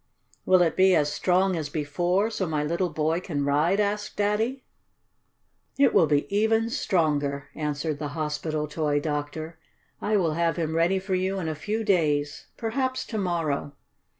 "Will it be as strong as before, so my little boy can ride?" asked Daddy. "It will be even stronger," answered the hospital toy doctor. "I will have him ready for you in a few days; perhaps tomorrow."